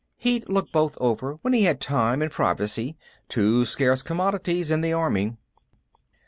He'd look both over, when he had time and privacy, two scarce commodities in the Army....